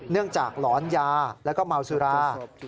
เนื่องจากหลอนยาแล้วก็เมาสุรา